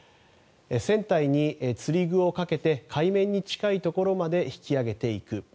船体につり具をかけて海面に近いところまで引き揚げていく。